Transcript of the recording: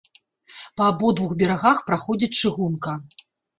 Па абодвух берагах праходзіць чыгунка.